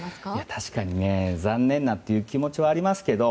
確かにね、残念だという気持ちはありますけど。